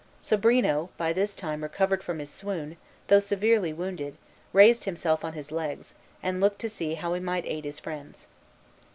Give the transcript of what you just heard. Sobrino, by this time recovered from his swoon, though severely wounded, raised himself on his legs, and looked to see how he might aid his friends.